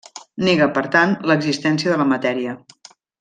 Nega, per tant, l'existència de la matèria.